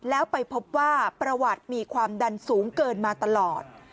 แล้วไปพบว่าประวัติมีความดันสูงเกินมาตลอด